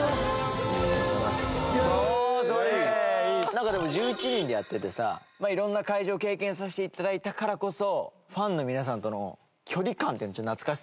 なんかでも１１人でやっててさ色んな会場経験させて頂いたからこそファンの皆さんとの距離感懐かしさも。